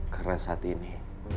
karena saat ini